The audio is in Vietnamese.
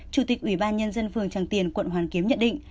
chủ tịch ủy ban nhân dân phường tràng tiền quận hoàn kiếm nhận định